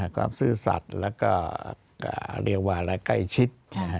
ซื่อสัตว์แล้วก็เรียกว่าใกล้ชิด